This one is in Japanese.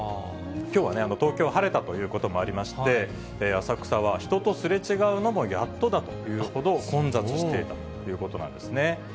きょうはね、東京は晴れたということもありまして、浅草は人とすれ違うのもやっとだというほど混雑していたということなんですね。